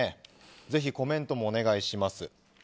ぜひコメントもお願いします。